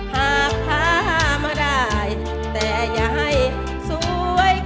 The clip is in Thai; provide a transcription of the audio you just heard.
หากผ่าห้ามได้แต่อย่าให้สวยเกิน